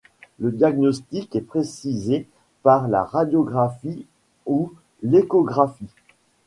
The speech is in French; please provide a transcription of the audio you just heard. Le diagnostic est précisé par la radiographie ou l'échographie.